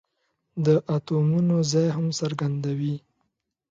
د اتومونو ځای هم څرګندوي.